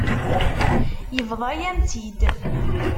Yebḍa-yam-tt-id.